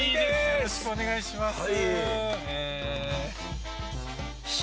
よろしくお願いします